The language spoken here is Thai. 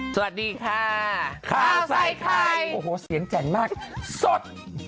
สวัสดีค่ะข้าวใส่ไข่โอ้โหเสียงแจ่มมากสด